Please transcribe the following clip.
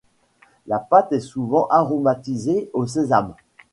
La pâte est souvent aromatisée au sésame.